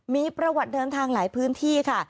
มีประวัติเดินทางหลายพื้นที่ค่ะ